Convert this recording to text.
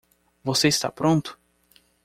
Você está pronto?